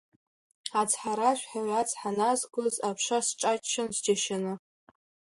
Ацҳаражәҳәаҩ ацҳа назгоз, аԥша сҿаччон сџьашьаны.